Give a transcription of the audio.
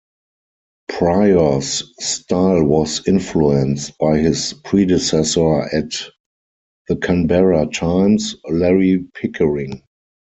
Pryor's style was influenced by his predecessor at "The Canberra Times", Larry Pickering.